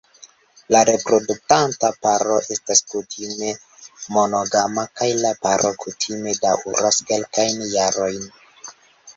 La reproduktanta paro estas kutime monogama, kaj la paro kutime daŭras kelkajn jarojn.